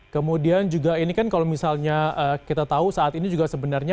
kemudian juga ini kan kalau misalnya kita tahu saat ini juga sebenarnya